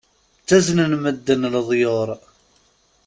Ttaznen medden leḍyur.